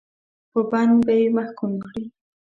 په بند به یې محکوم کړي.